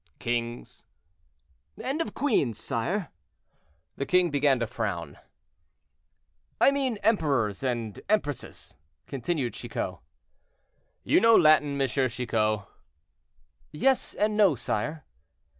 "Kings?" "And of queens, sire." The king began to frown. "I mean emperors and empresses," continued Chicot. "You know Latin, M. Chicot?" "Yes and no, sire."